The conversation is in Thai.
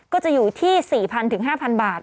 ก็จะอยู่ที่๔๐๐๕๐๐บาท